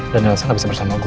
dan yeltsin gak bisa bersama gue